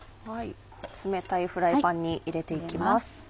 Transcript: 冷たいフライパンに入れて行きます。